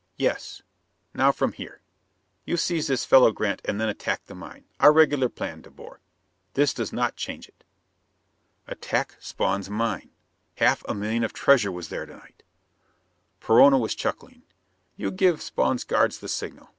"Yes. Now, from here. You seize this fellow Grant, and then attack the mine. Our regular plan, De Boer. This does not change it." Attack Spawn's mine! Half a million of treasure was there to night! Perona was chuckling: "You give Spawn's guards the signal.